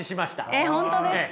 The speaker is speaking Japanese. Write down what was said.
えっ本当ですか。